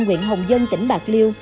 nguyện hồng dân tỉnh bạc liêu